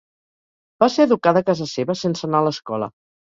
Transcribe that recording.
Va ser educada a casa seva sense anar a l'escola.